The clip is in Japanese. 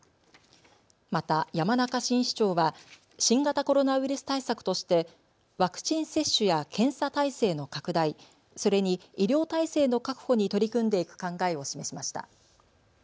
また、山中新市長は新型コロナウイルス対策としてワクチン接種や検査態勢の拡大、それに医療体制の確保に取り組んでいく考えを示しました。